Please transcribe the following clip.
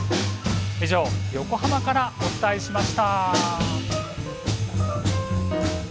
以上、横浜からお伝えしました。